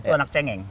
itu anak cengeng